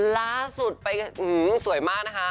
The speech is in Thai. ล่าสุดไปสวยมากนะคะ